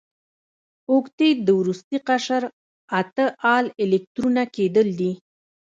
اوکتیت د وروستي قشر اته ال الکترونه کیدل دي.